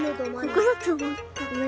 ここだとおもった。